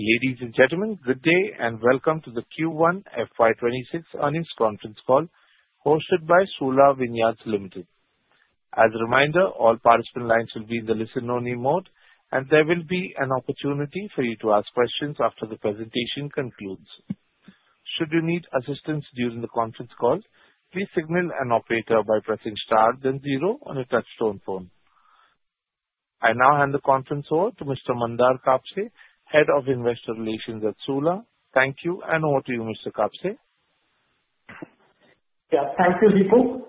Ladies and gentlemen, good day and welcome to the Q1 FY26 Earnings Conference Call hosted by Sula Vineyards Limited. As a reminder, all participant lines will be in the listen-only mode, and there will be an opportunity for you to ask questions after the presentation concludes. Should you need assistance during the conference call, please signal an operator by pressing star then zero on your touch-tone phone. I now hand the conference over to Mr. Mandar Kapse, Head of Investor Relations at Sula. Thank you, and over to you, Mr. Kapse. Yeah, thank you.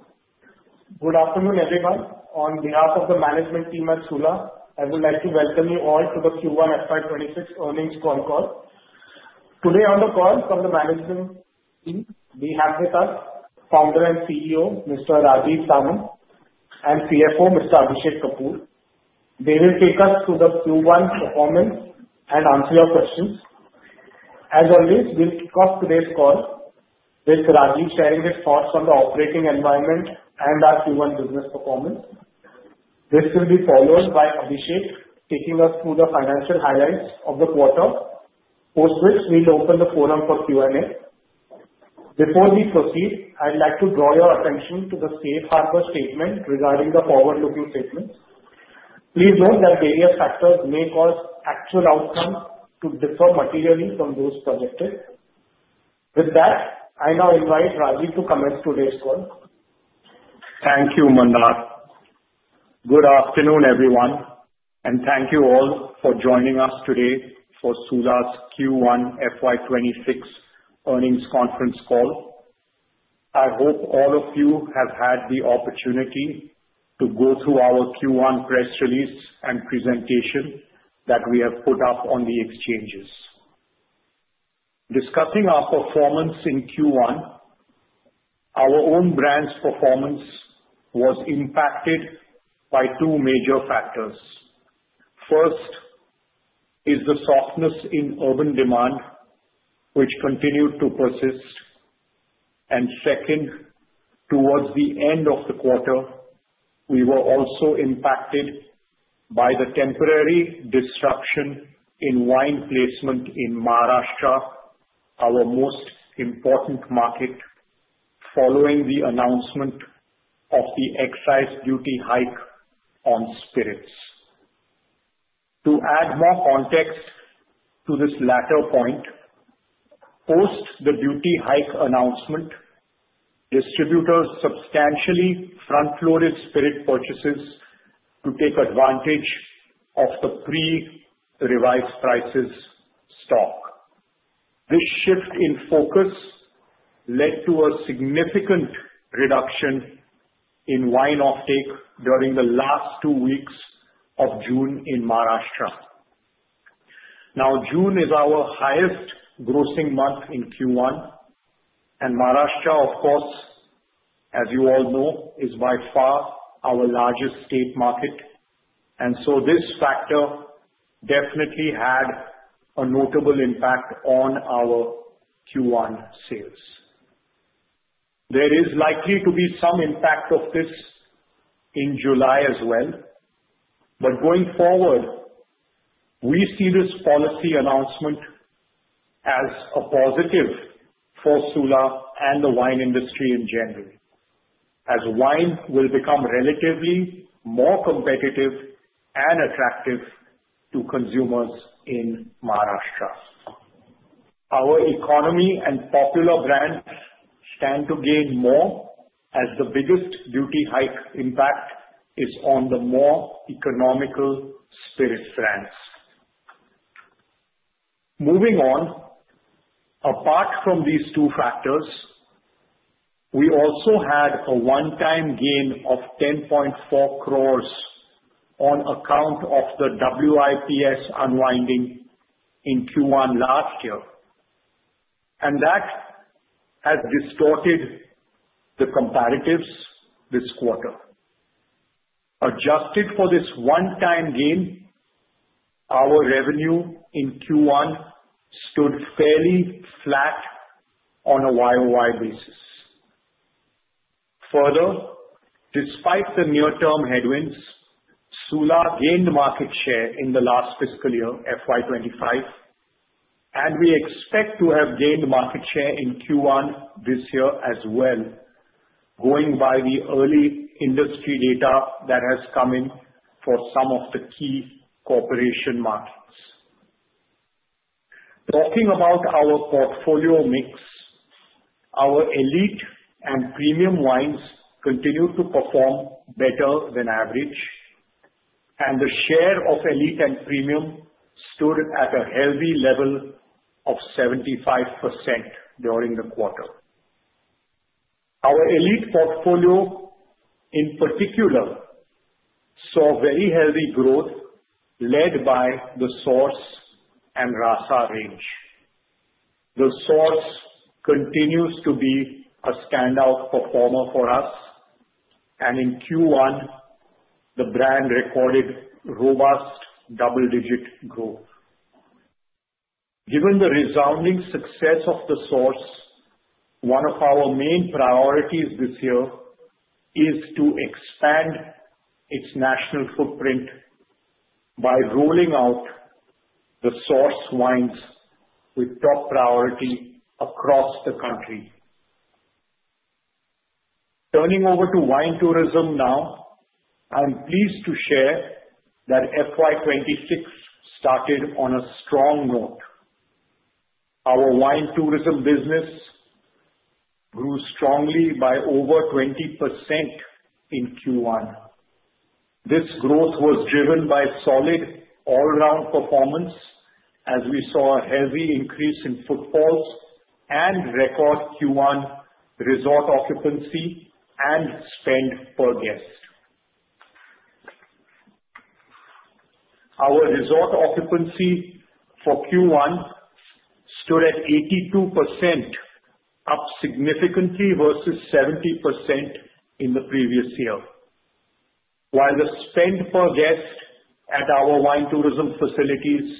Good afternoon, everyone. On behalf of the management team at Sula, I would like to welcome you all to the Q1 FY26 Earnings Conference Call. Today, on the call from the management team, we have with us Founder and CEO, Mr. Rajeev Samant, and CFO, Mr. Abhishek Kapoor. They will take us through the Q1 performance and answer your questions. As always, we'll kick off today's call with Rajeev sharing his thoughts on the operating environment and our Q1 business performance. This will be followed by Abhishek taking us through the financial highlights of the quarter, post which we'll open the forum for Q&A. Before we proceed, I'd like to draw your attention to the Safe Harbor statement regarding the forward-looking statements. Please note that various factors may cause actual outcomes to differ materially from those projected. With that, I now invite Rajeev to comment today's call. Thank you, Mandar. Good afternoon, everyone, and thank you all for joining us today for Sula's Q1 FY26 Earnings Conference Call. I hope all of you have had the opportunity to go through our Q1 press release and presentation that we have put up on the exchanges. Discussing our performance in Q1, our own brand's performance was impacted by two major factors. First is the softness in urban demand, which continued to persist. And second, towards the end of the quarter, we were also impacted by the temporary disruption in wine placement in Maharashtra, our most important market, following the announcement of the excise duty hike on spirits. To add more context to this latter point, post the duty hike announcement, distributors substantially front-loaded spirit purchases to take advantage of the pre-revised prices stock. This shift in focus led to a significant reduction in wine off-take during the last two weeks of June in Maharashtra. Now, June is our highest grossing month in Q1, and Maharashtra, of course, as you all know, is by far our largest state market. And so this factor definitely had a notable impact on our Q1 sales. There is likely to be some impact of this in July as well. But going forward, we see this policy announcement as a positive for Sula and the wine industry in general, as wine will become relatively more competitive and attractive to consumers in Maharashtra. Our economy and popular brands stand to gain more as the biggest duty hike impact is on the more economical spirit brands. Moving on, apart from these two factors, we also had a one-time gain of 10.4 crores on account of the WIPS unwinding in Q1 last year, and that has distorted the comparatives this quarter. Adjusted for this one-time gain, our revenue in Q1 stood fairly flat on a YOY basis. Further, despite the near-term headwinds, Sula gained market share in the last fiscal year, FY25, and we expect to have gained market share in Q1 this year as well, going by the early industry data that has come in for some of the key corporation markets. Talking about our portfolio mix, our elite and premium wines continue to perform better than average, and the share of elite and premium stood at a healthy level of 75% during the quarter. Our elite portfolio, in particular, saw very healthy growth led by The Source and Rasa range. The Source continues to be a standout performer for us, and in Q1, the brand recorded robust double-digit growth. Given the resounding success of The Source, one of our main priorities this year is to expand its national footprint by rolling out The Source wines with top priority across the country. Turning over to wine tourism now, I'm pleased to share that FY26 started on a strong note. Our wine tourism business grew strongly by over 20% in Q1. This growth was driven by solid all-round performance, as we saw a heavy increase in footfalls and record Q1 resort occupancy and spend per guest. Our resort occupancy for Q1 stood at 82%, up significantly versus 70% in the previous year, while the spend per guest at our wine tourism facilities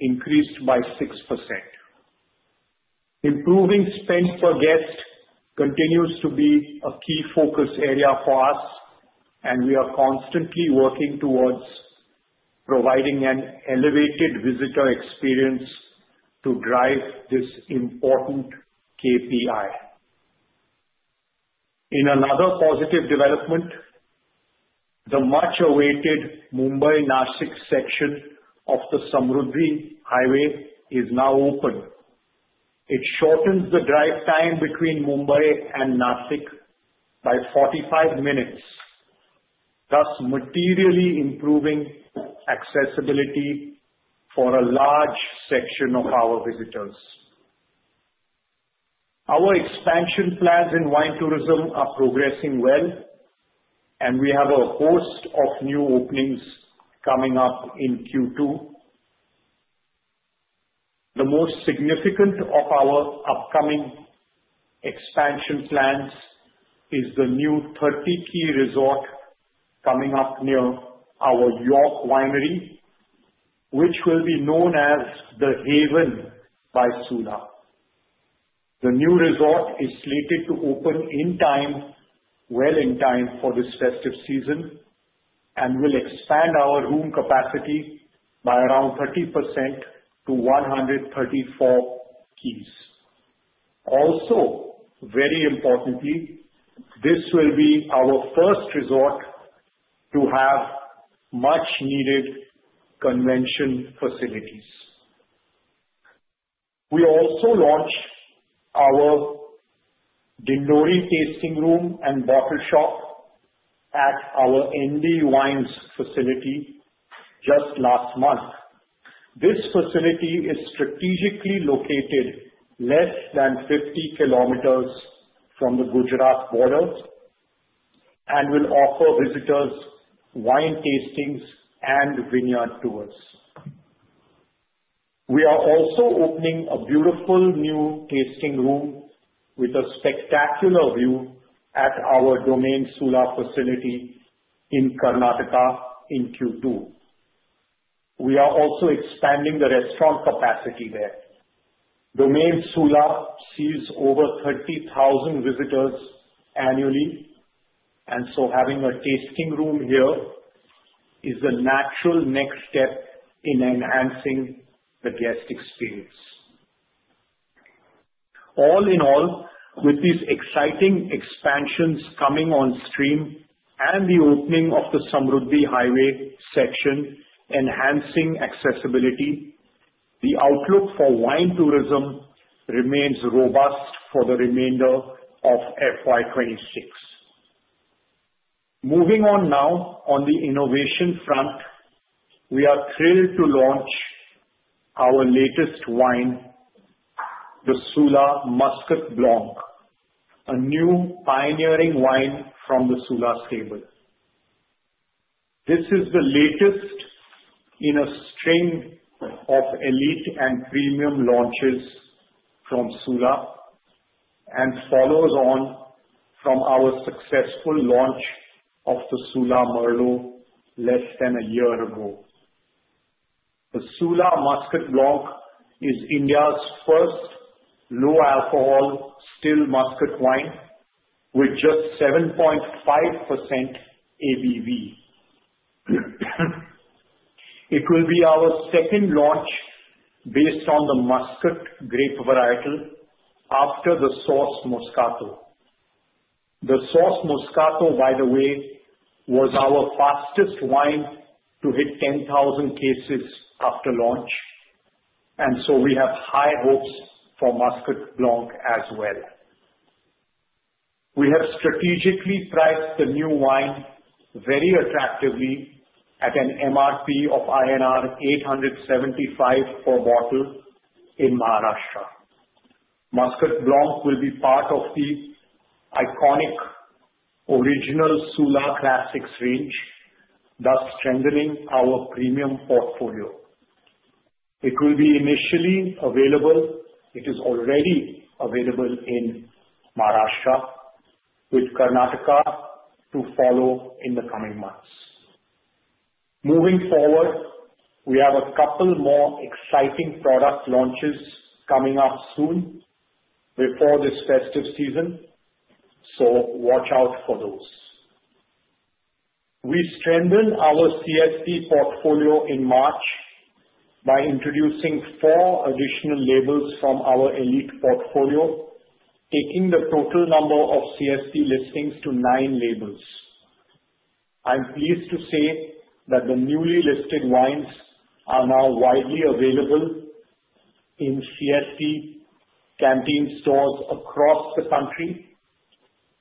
increased by 6%. Improving spend per guest continues to be a key focus area for us, and we are constantly working towards providing an elevated visitor experience to drive this important KPI. In another positive development, the much-awaited Mumbai-Nashik section of the Samruddhi Mahamarg is now open. It shortens the drive time between Mumbai and Nashik by 45 minutes, thus materially improving accessibility for a large section of our visitors. Our expansion plans in wine tourism are progressing well, and we have a host of new openings coming up in Q2. The most significant of our upcoming expansion plans is the new 30-key resort coming up near our York Winery, which will be known as The Haven by Sula. The new resort is slated to open in time, well in time for this festive season, and will expand our room capacity by around 30% to 134 keys. Also, very importantly, this will be our first resort to have much-needed convention facilities. We also launched our Dindori Tasting Room and Bottle Shop at our ND Wines facility just last month. This facility is strategically located less than 50 km from the Gujarat border and will offer visitors wine tastings and vineyard tours. We are also opening a beautiful new tasting room with a spectacular view at our Domaine Sula facility in Karnataka in Q2. We are also expanding the restaurant capacity there. Domaine Sula sees over 30,000 visitors annually, and so having a tasting room here is a natural next step in enhancing the guest experience. All in all, with these exciting expansions coming on stream and the opening of the Samruddhi Mahamarg section enhancing accessibility, the outlook for wine tourism remains robust for the remainder of FY26. Moving on now, on the innovation front, we are thrilled to launch our latest wine, the Sula Muscat Blanc, a new pioneering wine from the Sula stable. This is the latest in a string of elite and premium launches from Sula and follows on from our successful launch of the Sula Merlot less than a year ago. The Sula Muscat Blanc is India's first low-alcohol still Muscat wine with just 7.5% ABV. It will be our second launch based on the Muscat grape varietal after The Source Moscato. The Source Moscato, by the way, was our fastest wine to hit 10,000 cases after launch, and so we have high hopes for Muscat Blanc as well. We have strategically priced the new wine very attractively at an MRP of INR 875 per bottle in Maharashtra. Muscat Blanc will be part of the iconic original Sula Classics range, thus strengthening our premium portfolio. It will be initially available, it is already available in Maharashtra, with Karnataka to follow in the coming months. Moving forward, we have a couple more exciting product launches coming up soon before this festive season, so watch out for those. We strengthened our CSD portfolio in March by introducing four additional labels from our elite portfolio, taking the total number of CSD listings to nine labels. I'm pleased to say that the newly listed wines are now widely available in CSD canteen stores across the country,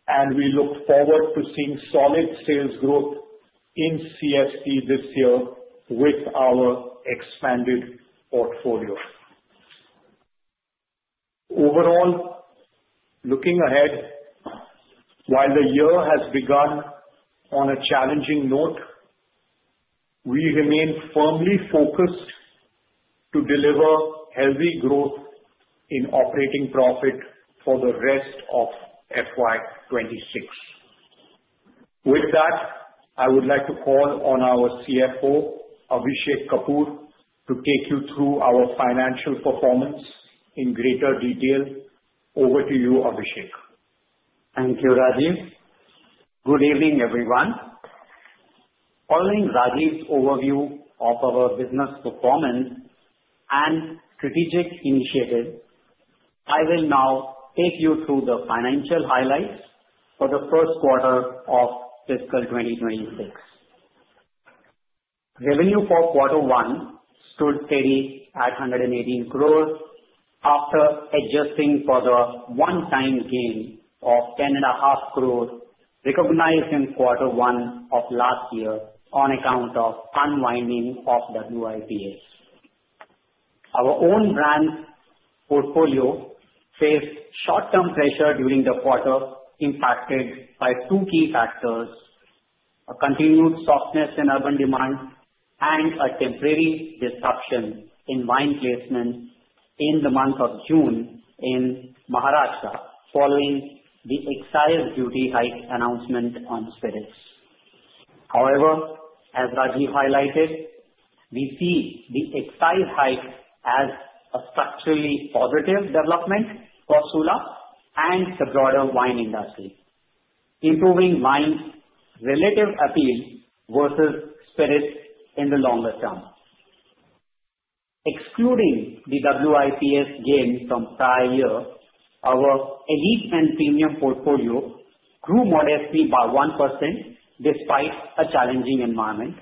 and we look forward to seeing solid sales growth in CSD this year with our expanded portfolio. Overall, looking ahead, while the year has begun on a challenging note, we remain firmly focused to deliver healthy growth in operating profit for the rest of FY26. With that, I would like to call on our CFO, Abhishek Kapoor, to take you through our financial performance in greater detail. Over to you, Abhishek. Thank you, Rajeev. Good evening, everyone. Following Rajeev's overview of our business performance and strategic initiatives, I will now take you through the financial highlights for the first quarter of fiscal 2026. Revenue for quarter one stood steady at 118 crores after adjusting for the one-time gain of 10.5 crores recognized in quarter one of last year on account of unwinding of WIPS. Our own brand portfolio faced short-term pressure during the quarter impacted by two key factors: a continued softness in urban demand and a temporary disruption in wine placement in the month of June in Maharashtra following the excise duty hike announcement on spirits. However, as Rajeev highlighted, we see the excise hike as a structurally positive development for Sula and the broader wine industry, improving wine's relative appeal versus spirits in the longer term. Excluding the WIPS gain from prior year, our elite and premium portfolio grew modestly by 1% despite a challenging environment.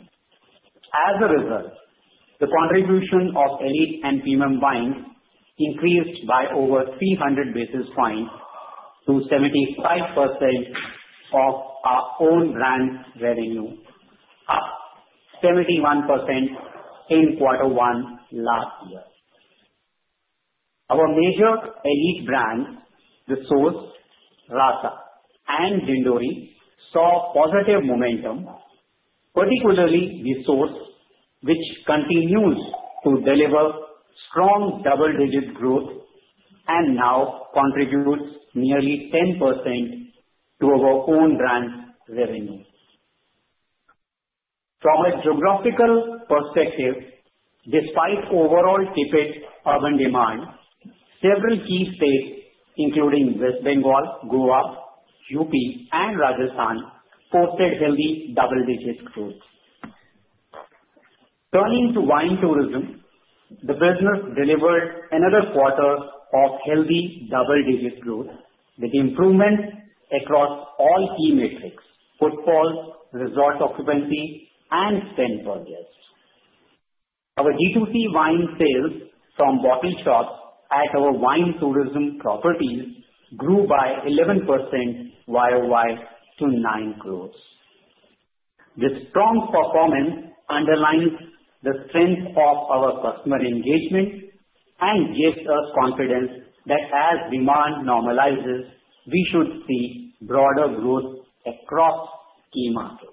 As a result, the contribution of elite and premium wines increased by over 300 basis points to 75% of our own brand revenue, up 71% in quarter one last year. Our major elite brands, The Source, Rasa, and Dindori, saw positive momentum, particularly The Source, which continues to deliver strong double-digit growth and now contributes nearly 10% to our own brand revenue. From a geographical perspective, despite overall dip in urban demand, several key states, including West Bengal, Goa, UP, and Rajasthan, posted healthy double-digit growth. Turning to wine tourism, the business delivered another quarter of healthy double-digit growth with improvements across all key metrics: footfalls, resort occupancy, and spend per guest. Our D2C wine sales from bottle shops at our wine tourism properties grew by 11% YOY to 9 crores. This strong performance underlines the strength of our customer engagement and gives us confidence that as demand normalizes, we should see broader growth across key markets.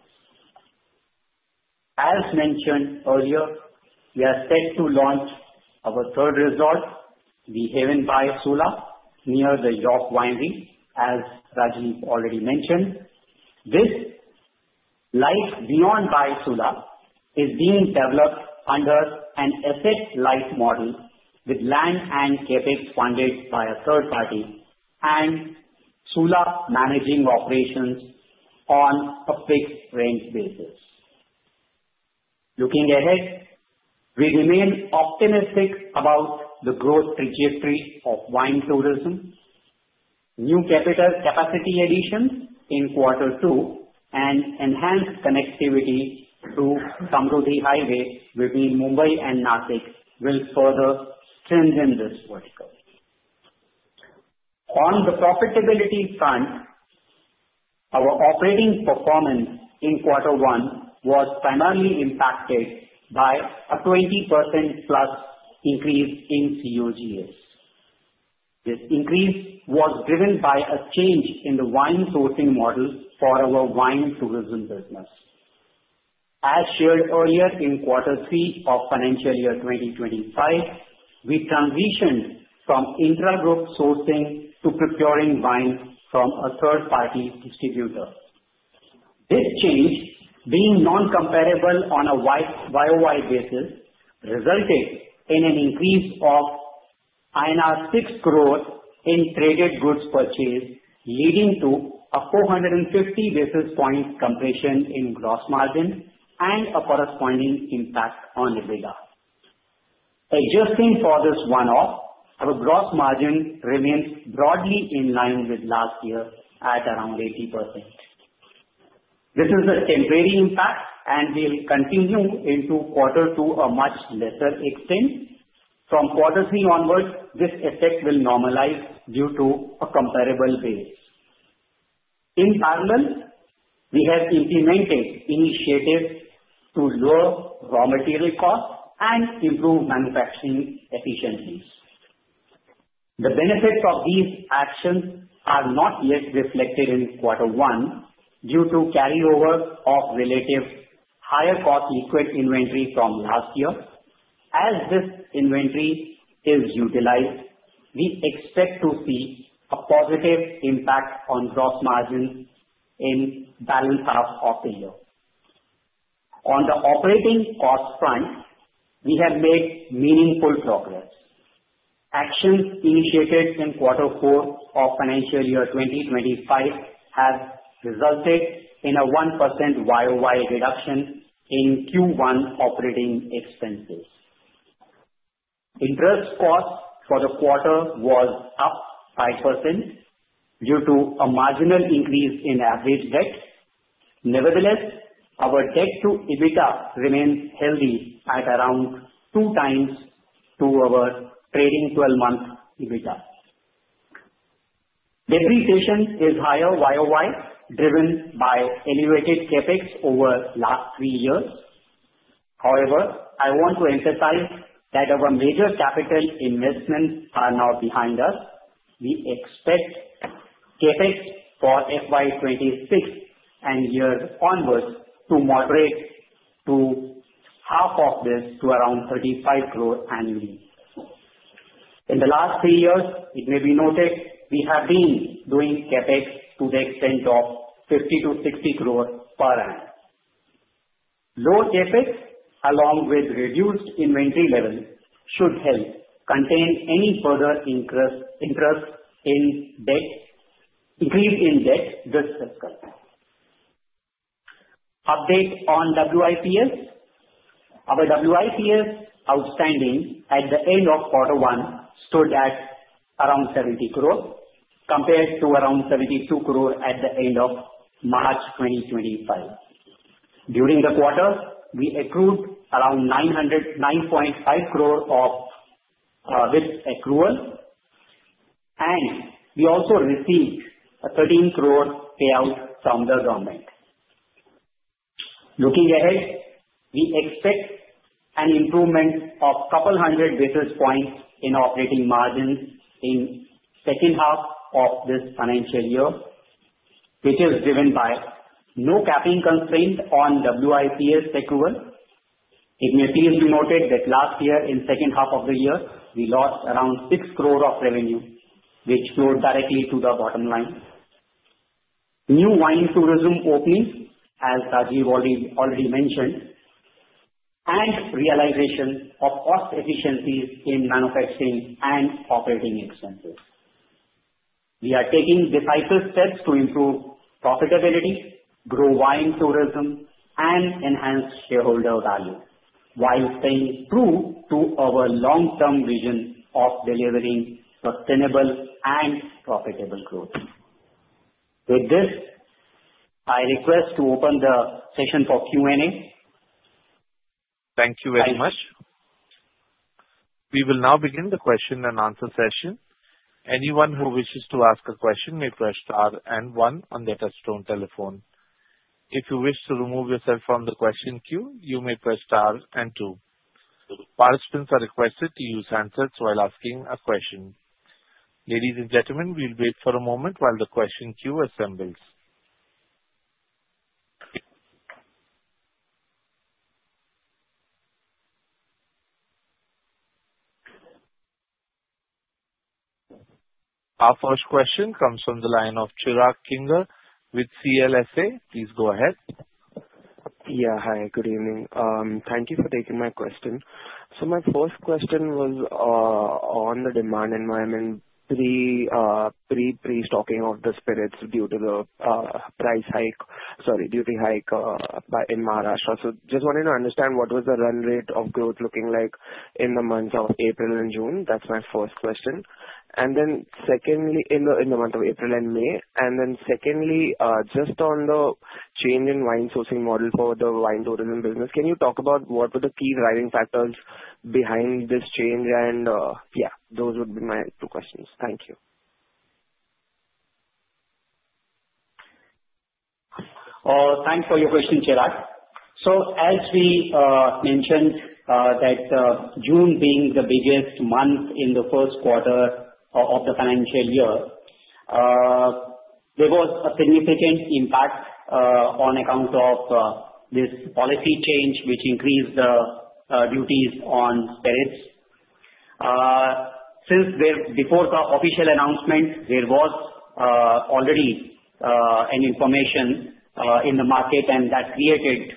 As mentioned earlier, we are set to launch our third resort, The Haven by Sula, near the York Winery, as Rajeev already mentioned. The Haven by Sula is being developed under an asset-light model with land and CapEx funded by a third party and Sula managing operations on a fixed rate basis. Looking ahead, we remain optimistic about the growth trajectory of wine tourism. New capital capacity additions in quarter two and enhanced connectivity through Samruddhi Mahamarg between Mumbai and Nashik will further strengthen this vertical. On the profitability front, our operating performance in quarter one was primarily impacted by a 20% plus increase in COGS. This increase was driven by a change in the wine sourcing model for our wine tourism business. As shared earlier in quarter three of financial year 2025, we transitioned from intra-group sourcing to procuring wine from a third-party distributor. This change, being non-comparable on a YOY basis, resulted in an increase of INR 6 crores in traded goods purchase, leading to a 450 basis points compression in gross margin and a corresponding impact on EBITDA. Adjusting for this one-off, our gross margin remains broadly in line with last year at around 80%. This is a temporary impact, and we'll continue into quarter two to a much lesser extent. From quarter three onward, this effect will normalize due to a comparable base. In parallel, we have implemented initiatives to lower raw material costs and improve manufacturing efficiencies. The benefits of these actions are not yet reflected in quarter one due to carryover of relative higher-cost liquid inventory from last year. As this inventory is utilized, we expect to see a positive impact on gross margin in the latter half of the year. On the operating cost front, we have made meaningful progress. Actions initiated in quarter four of financial year 2025 have resulted in a 1% YOY reduction in Q1 operating expenses. Interest cost for the quarter was up 5% due to a marginal increase in average debt. Nevertheless, our debt-to-EBITDA remains healthy at around two times our trailing 12-month EBITDA. Depreciation is higher YOY, driven by elevated CapEx over the last three years. However, I want to emphasize that our major capital investments are now behind us. We expect CapEx for FY26 and onwards to moderate to half of this to around 35 crores annually. In the last three years, it may be noted we have been doing CapEx to the extent of 50-60 crores per annum. Low CapEx, along with reduced inventory levels, should help contain any further interest in debt this fiscal time. Update on WIPS. Our WIPS outstanding at the end of quarter one stood at around 70 crores compared to around 72 crores at the end of March 2025. During the quarter, we accrued around 9.5 crores with accrual, and we also received an 13-crore payout from the government. Looking ahead, we expect an improvement of a couple hundred basis points in operating margins in the second half of this financial year, which is driven by no capping constraint on WIPS accrual. It may be noted that last year, in the second half of the year, we lost around six crores of revenue, which flowed directly to the bottom line. New wine tourism opening, as Rajeev already mentioned, and realization of cost efficiencies in manufacturing and operating expenses. We are taking decisive steps to improve profitability, grow wine tourism, and enhance shareholder value while staying true to our long-term vision of delivering sustainable and profitable growth. With this, I request to open the session for Q&A. Thank you very much. We will now begin the question and answer session. Anyone who wishes to ask a question may press star and one on their touch-tone telephone. If you wish to remove yourself from the question queue, you may press star and two. Participants are requested to use handsets while asking a question. Ladies and gentlemen, we'll wait for a moment while the question queue assembles. Our first question comes from the line of Chirag Kinger with CLSA. Please go ahead. Yeah, hi. Good evening. Thank you for taking my question. So my first question was on the demand environment pre-stocking of the spirits due to the price hike, sorry, duty hike in Maharashtra. So just wanting to understand what was the run rate of growth looking like in the months of April and June. That's my first question. And then secondly, in the month of April and May. And then secondly, just on the change in wine sourcing model for the wine tourism business, can you talk about what were the key driving factors behind this change? And yeah, those would be my two questions. Thank you. Thanks for your question, Chirag. So as we mentioned that June being the biggest month in the first quarter of the financial year, there was a significant impact on account of this policy change, which increased the duties on spirits. Since before the official announcement, there was already information in the market, and that created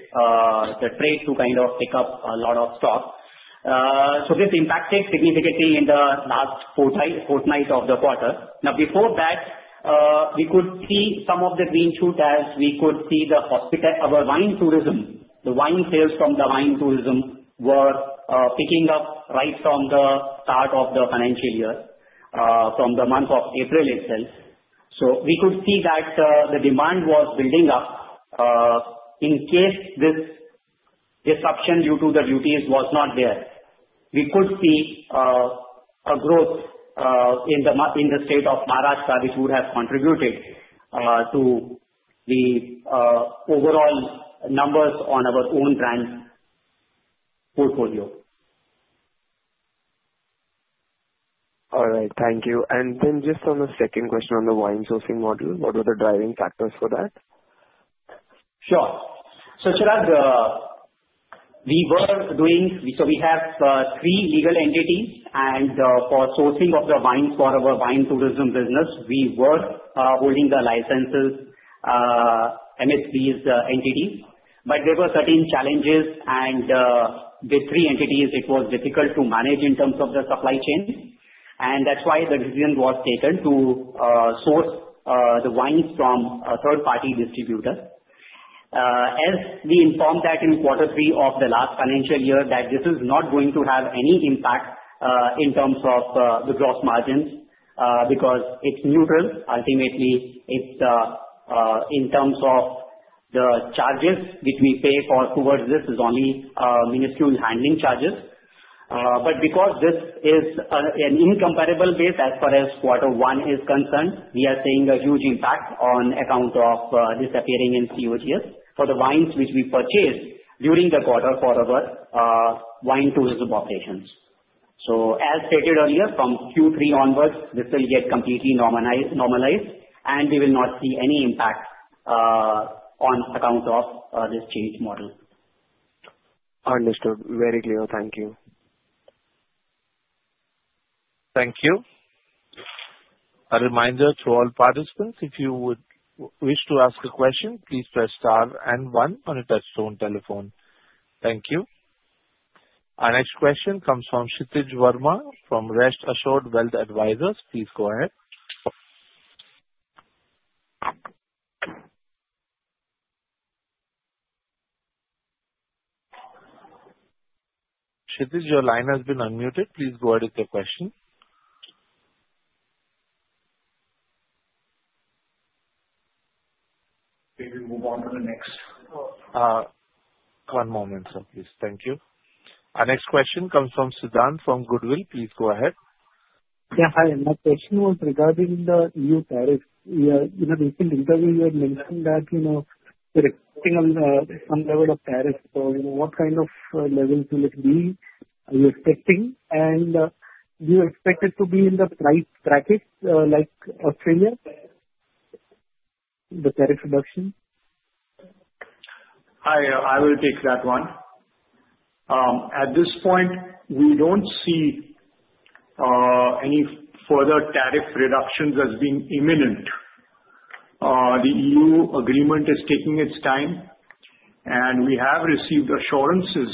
the trade to kind of pick up a lot of stock. So this impacted significantly in the last fortnight of the quarter. Now, before that, we could see some of the green shoot as we could see our wine tourism, the wine sales from the wine tourism were picking up right from the start of the financial year, from the month of April itself. So we could see that the demand was building up in case this disruption due to the duties was not there. We could see a growth in the state of Maharashtra, which would have contributed to the overall numbers on our own brand portfolio. All right. Thank you. And then just on the second question on the wine sourcing model, what were the driving factors for that? Sure. So Chirag, we have three legal entities, and for sourcing of the wines for our wine tourism business, we were holding the licenses amidst these entities. But there were certain challenges, and with three entities, it was difficult to manage in terms of the supply chain. And that's why the decision was taken to source the wines from a third-party distributor. As we informed that in quarter three of the last financial year, that this is not going to have any impact in terms of the gross margins because it's neutral. Ultimately, in terms of the charges which we pay towards this, it's only minuscule handling charges. But because this is an incomparable base as far as quarter one is concerned, we are seeing a huge impact on account of this appearing in COGS for the wines which we purchased during the quarter for our wine tourism operations. So as stated earlier, from Q3 onwards, this will get completely normalized, and we will not see any impact on account of this change model. Understood. Very clear. Thank you. Thank you. A reminder to all participants, if you wish to ask a question, please press star and one on your touch-tone telephone. Thank you. Our next question comes from Kshitij Verma from Rest Assured Wealth Advisors. Please go ahead. Kshitij, your line has been unmuted. Please go ahead with your question. Maybe we'll move on to the next. One moment, sir. Please. Thank you. Our next question comes from Siddhant from Goodwill. Please go ahead. Yeah, hi. My question was regarding the EU tariffs. In a recent interview, you had mentioned that you're expecting some level of tariff. So what kind of levels will it be? Are you expecting? And do you expect it to be in the price bracket like Australia? The tariff reduction? Hi. I will take that one. At this point, we don't see any further tariff reductions as being imminent. The EU agreement is taking its time, and we have received assurances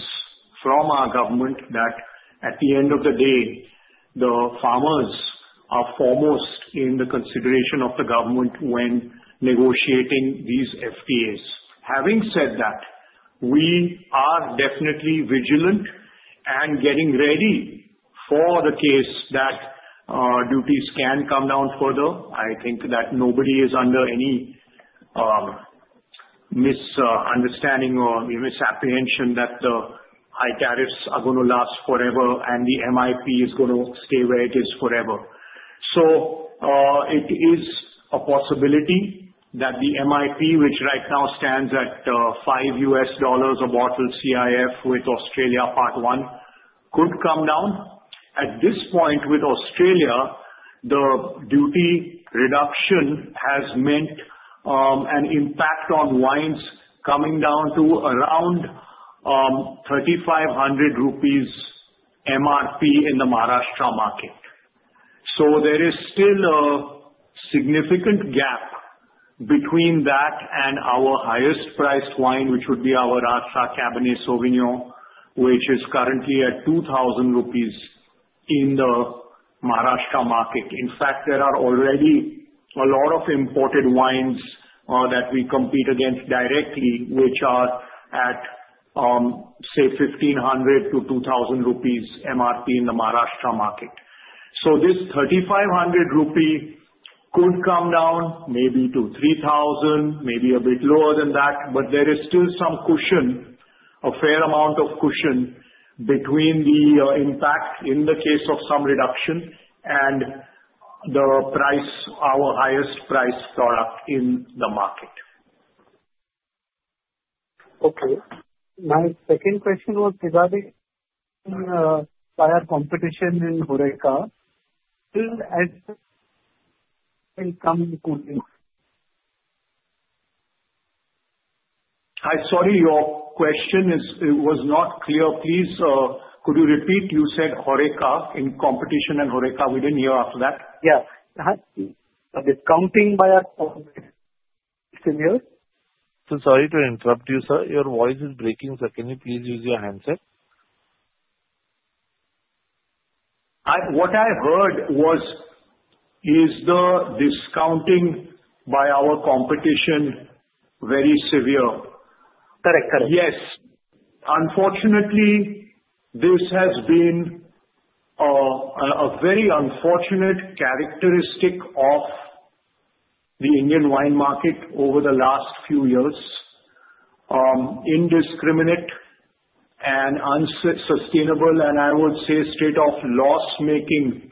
from our government that at the end of the day, the farmers are foremost in the consideration of the government when negotiating these FTAs. Having said that, we are definitely vigilant and getting ready for the case that duties can come down further. I think that nobody is under any misunderstanding or misapprehension that the high tariffs are going to last forever and the MIP is going to stay where it is forever. So it is a possibility that the MIP, which right now stands at $5 a bottle CIF with Australia Part One, could come down. At this point with Australia, the duty reduction has meant an impact on wines coming down to around 3,500 rupees MRP in the Maharashtra market. So there is still a significant gap between that and our highest-priced wine, which would be our Rasa Cabernet Sauvignon, which is currently at 2,000 rupees in the Maharashtra market. In fact, there are already a lot of imported wines that we compete against directly, which are at, say, 1,500-2,000 rupees MRP in the Maharashtra market. So this 3,500 rupee could come down maybe to 3,000, maybe a bit lower than that, but there is still some cushion, a fair amount of cushion between the impact in the case of some reduction and the price, our highest-priced product in the market. Okay. My second question was regarding prior competition in HORECA. Still, as time comes, could it? I'm sorry, your question was not clear. Please could you repeat? You said HORECA in competition and HORECA. We didn't hear after that. Yeah. Is discounting by our competition here? So sorry to interrupt you, sir. Your voice is breaking, sir. Can you please use your handset? What I heard was, is the discounting by our competition very severe? Correct. Correct. Yes. Unfortunately, this has been a very unfortunate characteristic of the Indian wine market over the last few years. Indiscriminate and unsustainable, and I would say sort of loss-making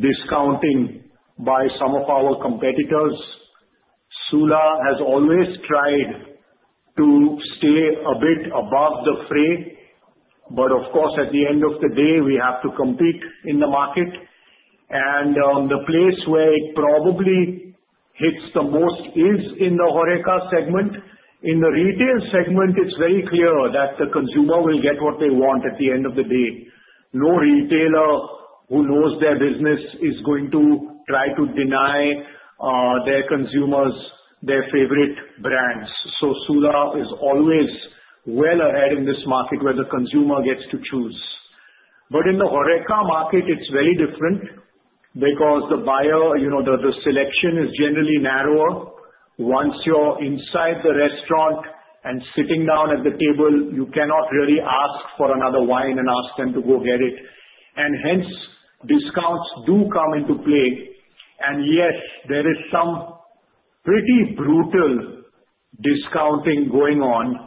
discounting by some of our competitors. Sula has always tried to stay a bit above the fray, but of course, at the end of the day, we have to compete in the market, and the place where it probably hits the most is in the HORECA segment. In the retail segment, it's very clear that the consumer will get what they want at the end of the day. No retailer who knows their business is going to try to deny their consumers their favorite brands, so Sula is always well ahead in this market where the consumer gets to choose, but in the HORECA market, it's very different because the buyer, the selection is generally narrower. Once you're inside the restaurant and sitting down at the table, you cannot really ask for another wine and ask them to go get it, and hence, discounts do come into play, and yes, there is some pretty brutal discounting going on.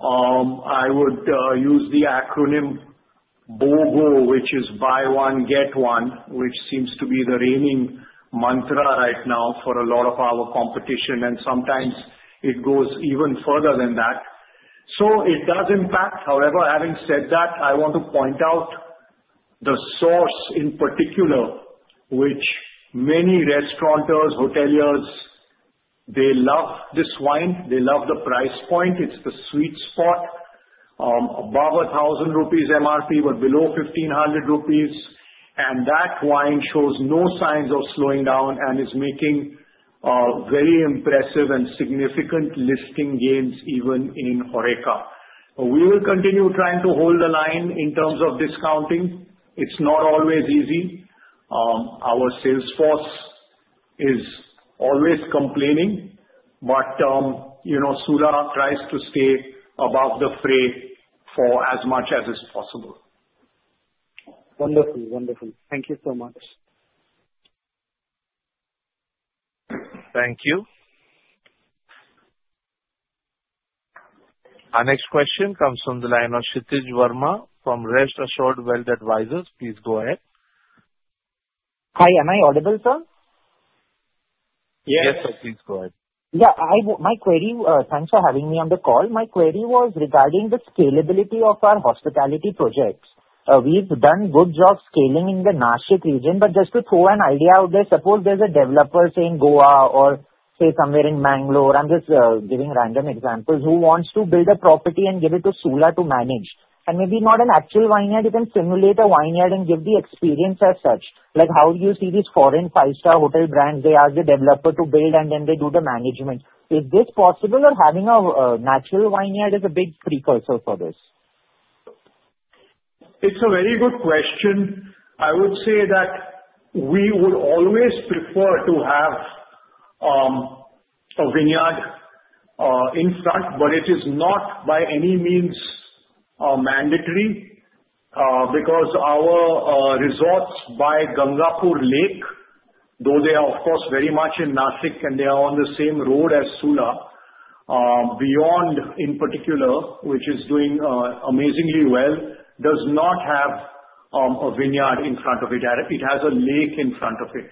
I would use the acronym BOGO, which is buy one, get one, which seems to be the reigning mantra right now for a lot of our competition, and sometimes it goes even further than that, so it does impact. However, having said that, I want to point out The Source in particular, which many restaurateurs, hoteliers, they love this wine. They love the price point. It's the sweet spot, above 1,000 rupees MRP, but below 1,500 rupees. And that wine shows no signs of slowing down and is making very impressive and significant listing gains even in HORECA. We will continue trying to hold the line in terms of discounting. It's not always easy. Our salesforce is always complaining, but Sula tries to stay above the fray for as much as is possible. Wonderful. Wonderful. Thank you so much. Thank you. Our next question comes from the line of Kshitij Verma from Rest Assured Wealth Advisors. Please go ahead. Hi. Am I audible, sir? Yes, sir. Please go ahead. Yeah. My query, thanks for having me on the call, my query was regarding the scalability of our hospitality projects. We've done a good job scaling in the Nashik region, but just to throw an idea out there, suppose there's a developer saying Goa or say somewhere in Mangalore, I'm just giving random examples, who wants to build a property and give it to Sula to manage? And maybe not an actual vineyard, you can simulate a vineyard and give the experience as such. How do you see these foreign five-star hotel brands? They ask the developer to build, and then they do the management. Is this possible, or having a natural vineyard is a big precursor for this? It's a very good question. I would say that we would always prefer to have a vineyard in front, but it is not by any means mandatory because our resorts by Gangapur Lake, though they are, of course, very much in Nashik and they are on the same road as Sula, Beyond in particular, which is doing amazingly well, does not have a vineyard in front of it. It has a lake in front of it.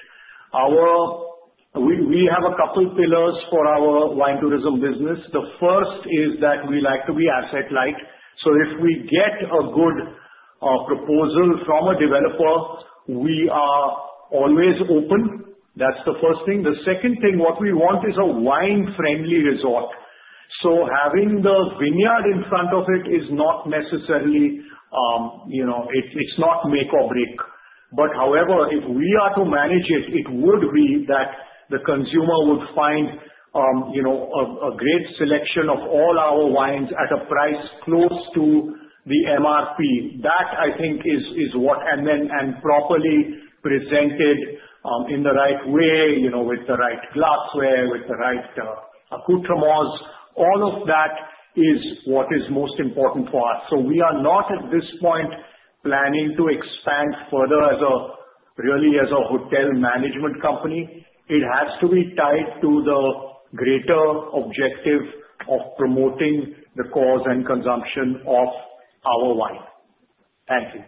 We have a couple of pillars for our wine tourism business. The first is that we like to be asset-light. So if we get a good proposal from a developer, we are always open. That's the first thing. The second thing, what we want is a wine-friendly resort. So having the vineyard in front of it is not necessarily. It's not make or break. But however, if we are to manage it, it would be that the consumer would find a great selection of all our wines at a price close to the MRP. That, I think, is what, and properly presented in the right way, with the right glassware, with the right accoutrements. All of that is what is most important for us. So we are not at this point planning to expand further really as a hotel management company. It has to be tied to the greater objective of promoting the cause and consumption of our wine. Thank you.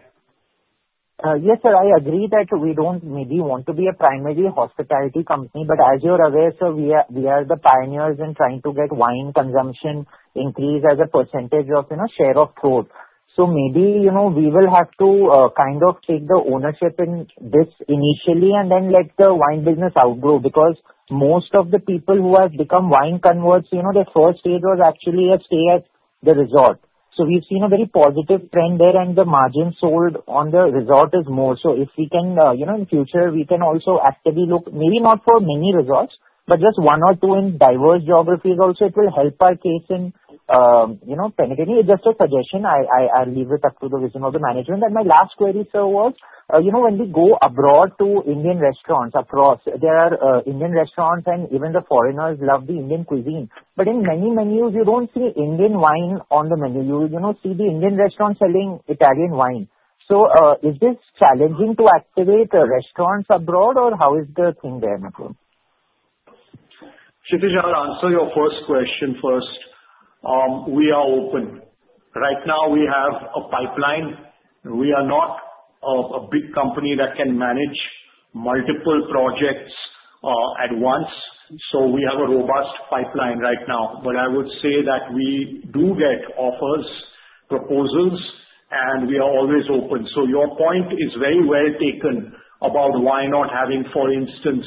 Yes, sir. I agree that we don't maybe want to be a primary hospitality company, but as you're aware, sir, we are the pioneers in trying to get wine consumption increased as a percentage of share of growth. So maybe we will have to kind of take the ownership in this initially and then let the wine business outgrow because most of the people who have become wine converts, their first stage was actually a stay at the resort. So we've seen a very positive trend there, and the margin sold on the resort is more. So if we can, in the future, we can also actively look, maybe not for many resorts, but just one or two in diverse geographies also, it will help our case in Puducherry. Just a suggestion. I'll leave it up to the vision of the management. My last query, sir, was when we go abroad to Indian restaurants across. There are Indian restaurants, and even the foreigners love the Indian cuisine. But in many menus, you don't see Indian wine on the menu. You see the Indian restaurant selling Italian wine. So is this challenging to activate restaurants abroad, or how is the thing there, Mr.? Kshitij, I'll answer your first question first. We are open. Right now, we have a pipeline. We are not a big company that can manage multiple projects at once. So we have a robust pipeline right now. But I would say that we do get offers, proposals, and we are always open. So your point is very well taken about why not having, for instance,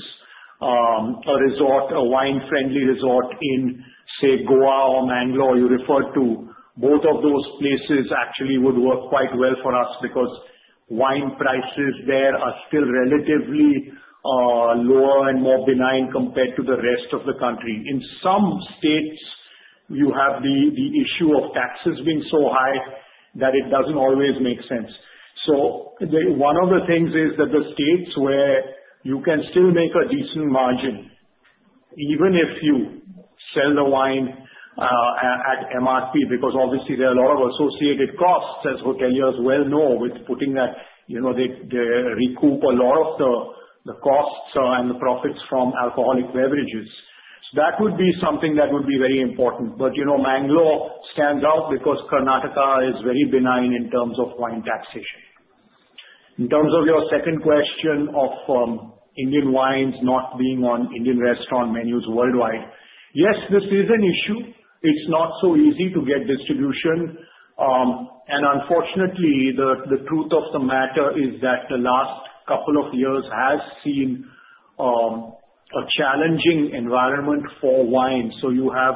a resort, a wine-friendly resort in, say, Goa or Mangalore you referred to. Both of those places actually would work quite well for us because wine prices there are still relatively lower and more benign compared to the rest of the country. In some states, you have the issue of taxes being so high that it doesn't always make sense. So one of the things is that the states where you can still make a decent margin, even if you sell the wine at MRP, because obviously there are a lot of associated costs, as hoteliers well know, with putting that they recoup a lot of the costs and the profits from alcoholic beverages. So that would be something that would be very important. But Mangalore stands out because Karnataka is very benign in terms of wine taxation. In terms of your second question of Indian wines not being on Indian restaurant menus worldwide, yes, this is an issue. It's not so easy to get distribution. And unfortunately, the truth of the matter is that the last couple of years has seen a challenging environment for wine. So you have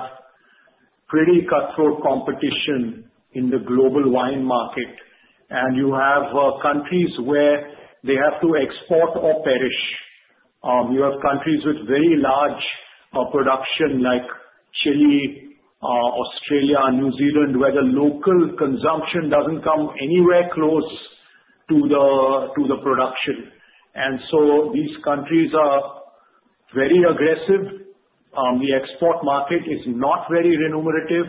pretty cutthroat competition in the global wine market, and you have countries where they have to export or perish. You have countries with very large production like Chile, Australia, New Zealand, where the local consumption doesn't come anywhere close to the production. And so these countries are very aggressive. The export market is not very remunerative.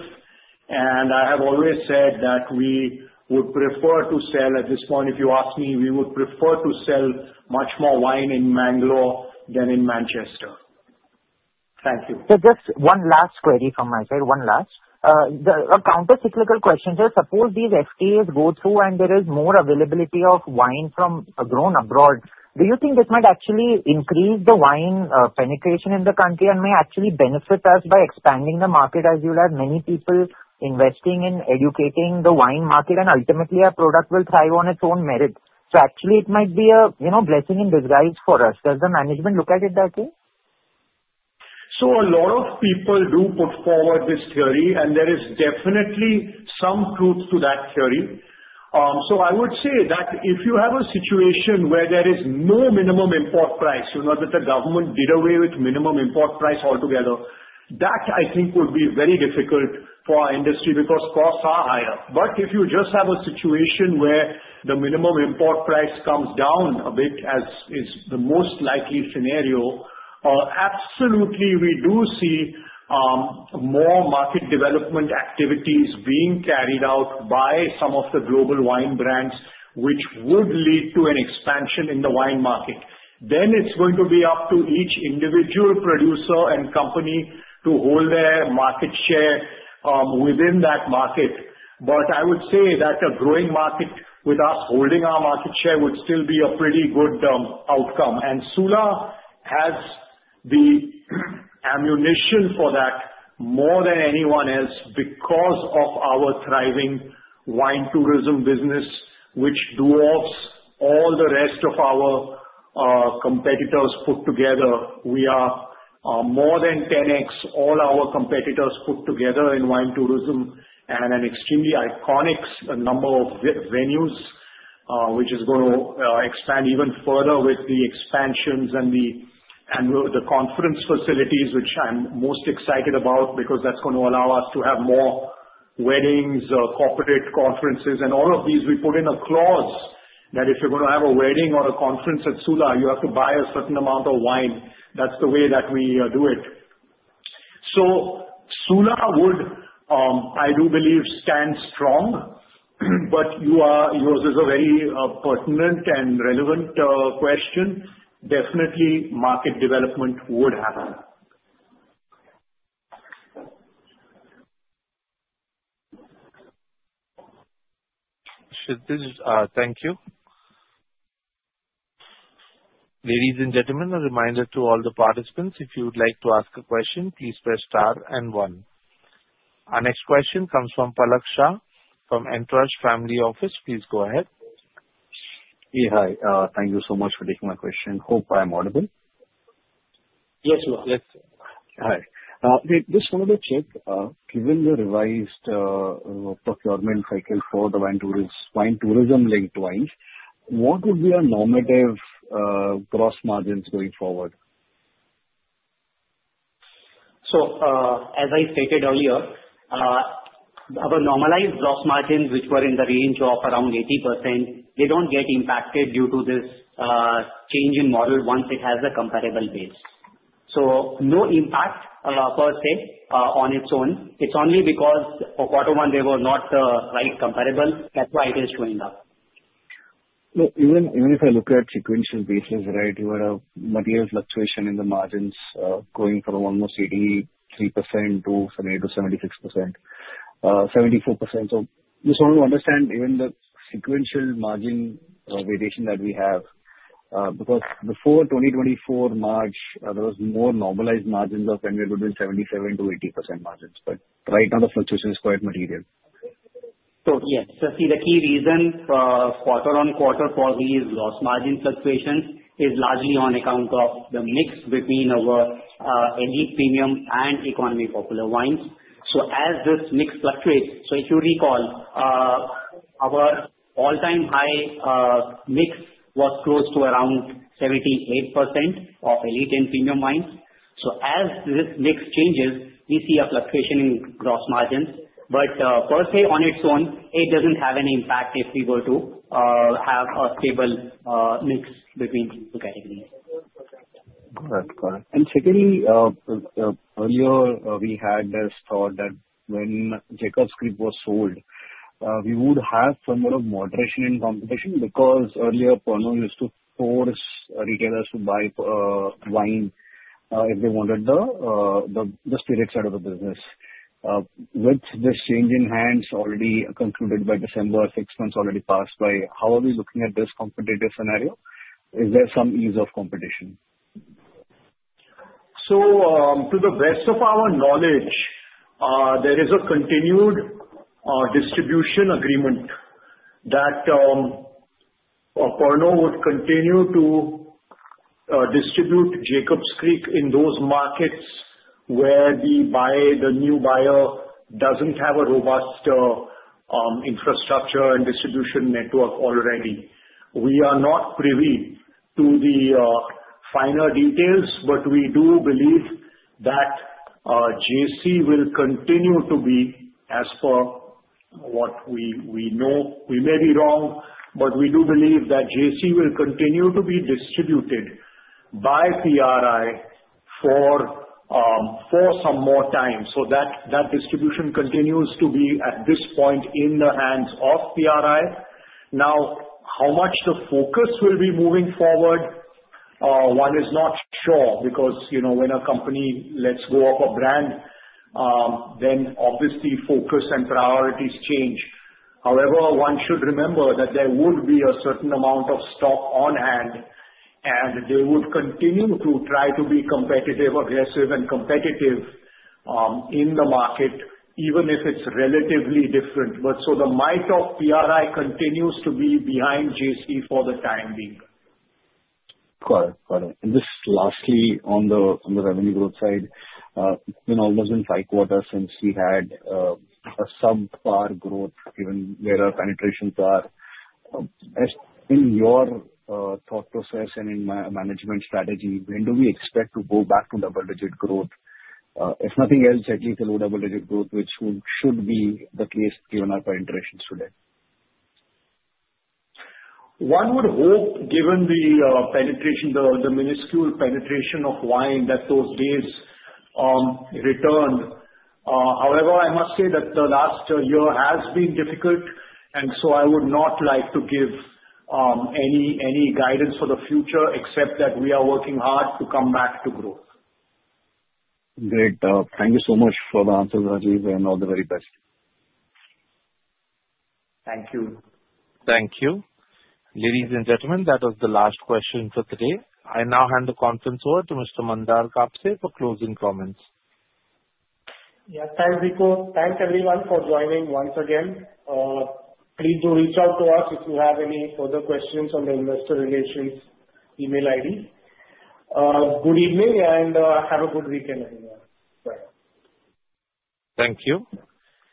And I have always said that we would prefer to sell at this point, if you ask me, we would prefer to sell much more wine in Mangalore than in Manchester. Thank you. Just one last query from my side, one last. A countercyclical question, sir. Suppose these FTAs go through and there is more availability of wine grown abroad, do you think it might actually increase the wine penetration in the country and may actually benefit us by expanding the market as you'll have many people investing in educating the wine market and ultimately our product will thrive on its own merit? Actually, it might be a blessing in disguise for us. Does the management look at it that way? So a lot of people do put forward this theory, and there is definitely some truth to that theory. So I would say that if you have a situation where there is no minimum import price, that the government did away with minimum import price altogether, that I think would be very difficult for our industry because costs are higher. But if you just have a situation where the minimum import price comes down a bit, as is the most likely scenario, absolutely, we do see more market development activities being carried out by some of the global wine brands, which would lead to an expansion in the wine market. Then it's going to be up to each individual producer and company to hold their market share within that market. But I would say that a growing market with us holding our market share would still be a pretty good outcome. And Sula has the ammunition for that more than anyone else because of our thriving wine tourism business, which dwarfs all the rest of our competitors put together. We are more than 10x all our competitors put together in wine tourism and an extremely iconic number of venues, which is going to expand even further with the expansions and the conference facilities, which I'm most excited about because that's going to allow us to have more weddings, corporate conferences. And all of these, we put in a clause that if you're going to have a wedding or a conference at Sula, you have to buy a certain amount of wine. That's the way that we do it. So Sula would, I do believe, stand strong. But yours is a very pertinent and relevant question. Definitely, market development would happen. Kshitij, thank you. Ladies and gentlemen, a reminder to all the participants, if you would like to ask a question, please press star and one. Our next question comes from Palak Shah from Entourage Family Office. Please go ahead. Hey, hi. Thank you so much for taking my question. Hope I'm audible. Yes, sir. Yes, sir. Hi. Just wanted to check, given the revised procurement cycle for the wine tourism-linked wines, what would be our normative gross margins going forward? So as I stated earlier, our normalized gross margins, which were in the range of around 80%, they don't get impacted due to this change in model once it has a comparable base. So no impact per se on its own. It's only because for one they were not quite comparable. That's why it is showing up. Even if I look at sequential basis, right, you had a material fluctuation in the margins going from almost 83% to 76%, 74%. So just want to understand even the sequential margin variation that we have, because before 2024 March, there was more normalized margins of when we were doing 77%-80% margins. But right now, the fluctuation is quite material. So yes. So I see the key reason quarter on quarter for these gross margin fluctuations is largely on account of the mix between our elite premium and economy popular wines. So as this mix fluctuates, so if you recall, our all-time high mix was close to around 78% of elite and premium wines. So as this mix changes, we see a fluctuation in gross margins. But per se, on its own, it doesn't have any impact if we were to have a stable mix between the categories. All right. And secondly, earlier, we had this thought that when Jacob's Creek was sold, we would have somewhat of moderation in competition because earlier, Pono used to force retailers to buy wine if they wanted the spirit side of the business. With this change in hands already concluded by December, six months already passed by, how are we looking at this competitive scenario? Is there some ease of competition? So to the best of our knowledge, there is a continued distribution agreement that Pono would continue to distribute Jacob's Creek in those markets where the new buyer doesn't have a robust infrastructure and distribution network already. We are not privy to the finer details, but we do believe that JC will continue to be, as per what we know. We may be wrong, but we do believe that JC will continue to be distributed by PRI for some more time. So that distribution continues to be at this point in the hands of PRI. Now, how much the focus will be moving forward, one is not sure because when a company lets go of a brand, then obviously focus and priorities change. However, one should remember that there would be a certain amount of stock on hand, and they would continue to try to be competitive, aggressive, and competitive in the market, even if it's relatively different. The might of PRI continues to be behind JC for the time being. Got it. Got it. And just lastly, on the revenue growth side, it's been almost five quarters since we had a subpar growth, given where our penetrations are. In your thought process and in my management strategy, when do we expect to go back to double-digit growth? If nothing else, at least a low double-digit growth, which should be the case given our penetrations today. One would hope, given the minuscule penetration of wine, that those days returned. However, I must say that the last year has been difficult, and so I would not like to give any guidance for the future except that we are working hard to come back to growth. Great. Thank you so much for the answers, Rajeev, and all the very best. Thank you. Thank you. Ladies and gentlemen, that was the last question for today. I now hand the conference over to Mr. Mandar Kapse for closing comments. Yeah. Thank you, sir. Thank everyone for joining once again. Please do reach out to us if you have any further questions on the investor relations email ID. Good evening and have a good weekend everyone. Bye. Thank you.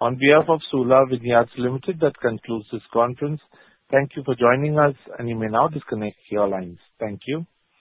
On behalf of Sula Vineyards Limited, that concludes this conference. Thank you for joining us, and you may now disconnect your lines. Thank you.